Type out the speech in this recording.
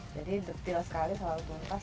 jadi detail sekali selalu tuntas